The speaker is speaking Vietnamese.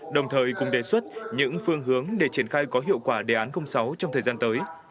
đồng thời cùng đề xuất những phương hướng để triển khai có hiệu quả đề án sáu trong thời gian tới